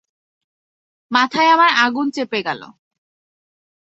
মাথায় আমার আগুন চেপে গেল।